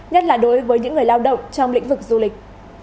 nhất là đối với những người lao động trong lĩnh vực du lịch